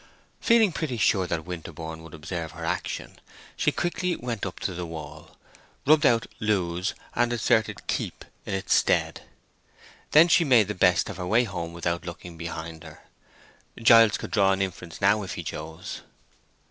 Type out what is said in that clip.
Feeling pretty sure that Winterborne would observe her action, she quickly went up to the wall, rubbed out "lose" and inserted "keep" in its stead. Then she made the best of her way home without looking behind her. Giles could draw an inference now if he chose.